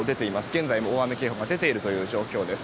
現在も大雨警報が出ている状況です。